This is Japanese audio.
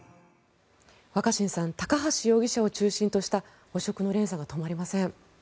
若新さん高橋容疑者を中心とした汚職の連鎖が止まりません。